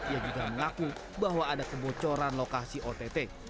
ia juga mengaku bahwa ada kebocoran lokasi ott